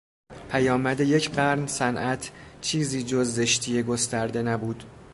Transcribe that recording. پیامد یک قرن صنعت چیزی جز زشتی گسترده نبود.